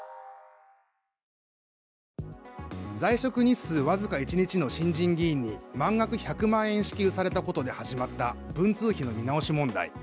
在職日数僅か１日の新人議員に満額１００万円支給されたことで始まった文通費の見直し問題。